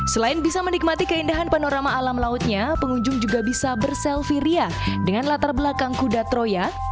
selain bisa menikmati keindahan panorama alam lautnya pengunjung juga bisa berselfie ria dengan latar belakang kuda troya